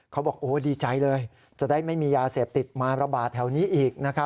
เขาบอกโอ้ดีใจเลยจะได้ไม่มียาเสพติดมาระบาดแถวนี้อีก